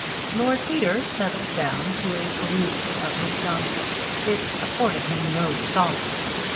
Lord Peter settled down to a perusal of his Dante. It afforded him no solace.